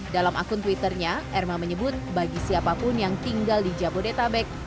dalam akun twitternya erma menyebut bagi siapapun yang tinggal di jabodetabek